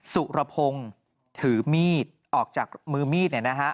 สุรพงศ์ถือมีดออกจากมือมีดเนี่ยนะฮะ